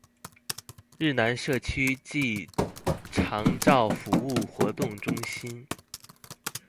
日南社區暨長照服務活動中心